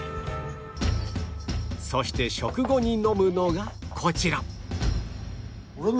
そして食後に飲むのがこちら